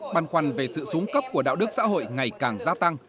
băn khoăn về sự súng cấp của đạo đức xã hội ngày càng gia tăng